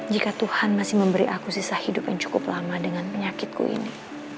jika tuhan masih memberi aku sisa hidup yang cukup lama dengan penyakitku ini